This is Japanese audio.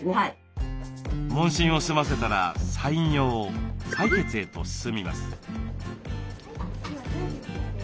問診を済ませたら採尿採血へと進みます。